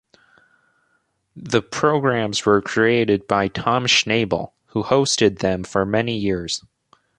The programs were created by Tom Schnabel, who hosted them for many years.